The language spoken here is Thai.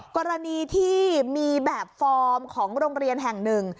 กรณีที่มีแบบฟอร์มของโรงเรียนแห่งหนึ่ง